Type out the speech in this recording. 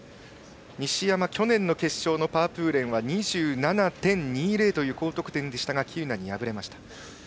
西山、去年の決勝のパープーレンは２７．２０という高得点でしたが喜友名に敗れました。